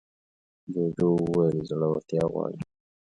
جوجو وویل زړورتيا غواړي.